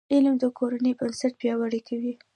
علم د کورنۍ بنسټ پیاوړی کوي.